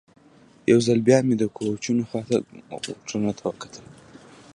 یو ځل بیا مې د کوچونو خوا ته غوټو ته وکتل.